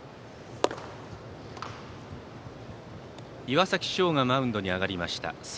岩崎翔がマウンドに上がりました。